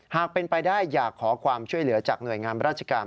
หากเป็นไปได้อยากขอความช่วยเหลือจากหน่วยงามราชการ